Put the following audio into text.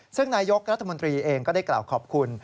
ซึ่งนายกรัฐมนตรีเองก็ได้กล่าวขอบคุณ